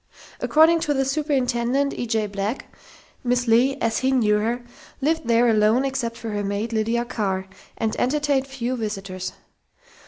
According to the superintendent, E. J. Black, Miss Leigh, as he knew her, lived there alone except for her maid, Lydia Carr, and entertained few visitors.